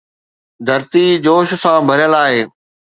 ڌرتي جوش سان ڀريل آهي